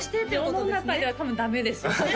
世の中では多分ダメですよ